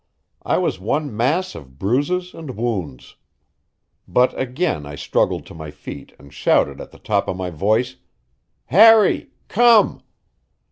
I was one mass of bruises and wounds. But again I struggled to my feet and shouted at the top of my voice: "Harry! Come!"